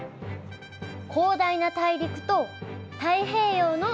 広大な大陸と太平洋の島々。